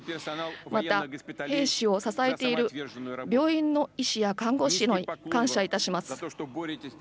また兵士を支えている病院の医師や看護師にも感謝いたします。